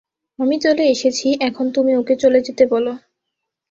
আমি চলে এসেছি, এখন তুমি ওঁকে চলে যেতে বলো।